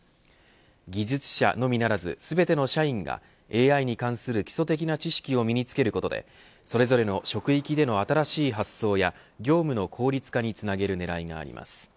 技術者のみならず全ての社員がＡＩに関する基礎的な知識を身につけることでそれぞれの職域での新しい発想や業務の効率化につなげる狙いがあります。